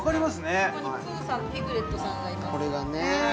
ここにプーさんとティクレットさんがいます。